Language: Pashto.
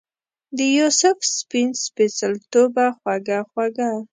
دیوسف سپین سپیڅلتوبه خوږه خوږه